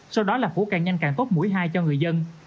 sau đó là củ càng nhanh càng tốt mũi hai cho người dân